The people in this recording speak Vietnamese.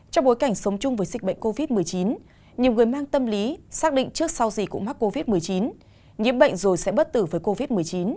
trong bối cảnh sống chung với dịch bệnh covid một mươi chín nhiều người mang tâm lý xác định trước sau gì cũng mắc covid một mươi chín nhiễm bệnh rồi sẽ bất tử với covid một mươi chín